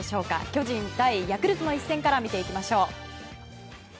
巨人対ヤクルトの一戦から見ていきましょう。